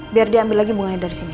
biar dia ambil lagi bunganya dari sini